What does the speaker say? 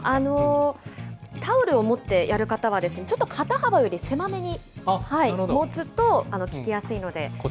タオルを持ってやる方は、ちょっと肩幅よりせまめに持つと効きやすいので。